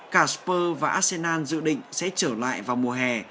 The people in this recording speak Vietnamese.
cả spur và arsenal dự định sẽ trở lại vào mùa hè